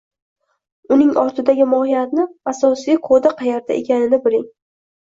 Uning ortidagi mohiyatni, asosiy kodi qayerda ekanini biling.